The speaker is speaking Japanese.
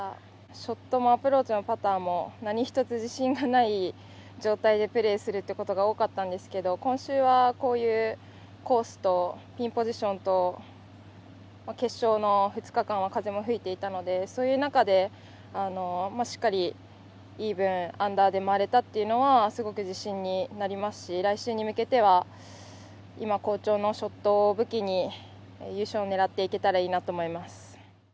ショットもパターも何一つ自信がない状態でプレーするということが多かったんですけど、今週は、こういうコースとピンポジションと決勝の２日間は風も吹いていたので、そういう中で、しっかりイーブン、アンダーで回れたというのは、すごく自信になりますし、来週に向けて、今好調のショットを武器に優勝を狙っていけたらいいなと思っています。